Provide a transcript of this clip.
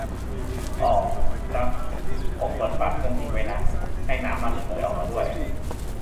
อ้อ ซักเสร็จผมเปิดฝาเครื่องทิ้งไว้นะ ให้น้ำมันระเหยออกมาด้วย